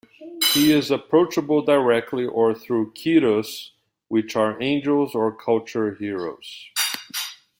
He is approachable directly or through "qedus" which are angels or culture heroes.